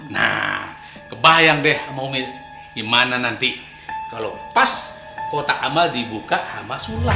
nah kebayang deh ama homin gimana nanti kalo pas kotak amal dibuka ama sulam